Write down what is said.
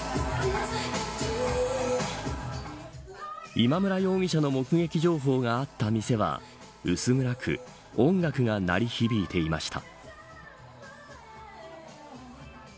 今村容疑者の目撃情報があった店は薄暗く音楽が鳴り響いていました。